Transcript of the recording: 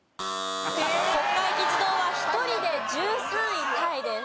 国会議事堂は１人で１３位タイです。